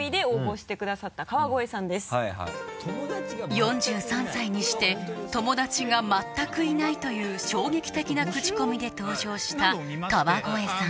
４３歳にして友達が全くいないという衝撃的なクチコミで登場した川越さん